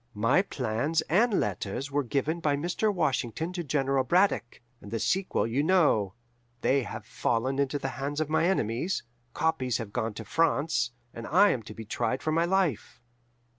"My plans and letters were given by Mr. Washington to General Braddock, and the sequel you know: they have fallen into the hands of my enemies, copies have gone to France, and I am to be tried for my life.